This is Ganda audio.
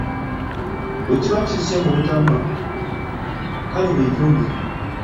Bwekiba kizze mu butanwa, kale beetondere.